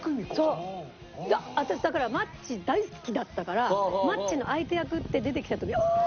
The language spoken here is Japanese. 私だからマッチ大好きだったからマッチの相手役って出てきた時「あーっ！」と思って。